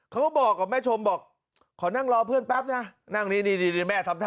เขาก็บอกด้วยแม่สมบัดขอนั่งรอเพื่อนแป๊บน่ะ